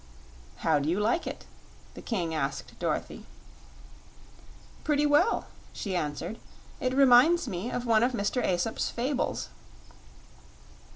"How do you like it?" the King asked Dorothy. "Pretty well," she answered. "It reminds me of one of Mr. Aesop's fables."